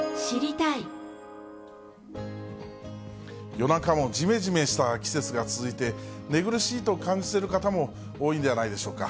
夜中もじめじめした季節が続いて、寝苦しいと感じてる方も多いんではないでしょうか。